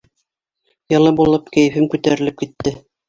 Йылы булып, кәйефем күтәрелеп китте.